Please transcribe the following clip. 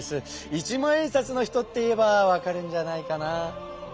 一万円札の人って言えばわかるんじゃないかな？